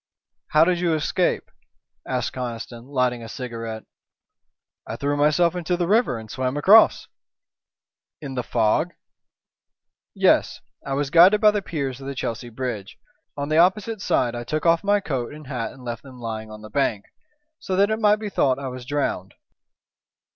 "How did you escape?" asked Conniston, lighting a cigarette. "I threw myself into the river and swam across." "In the fog?" "Yes. I was guided by the piers of the Chelsea Bridge. On the opposite side I took off my coat and hat and left them lying on the bank, so that it might be thought I was drowned."